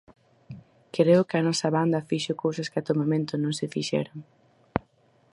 Creo que a nosa banda fixo cousas que até o momento non se fixeran.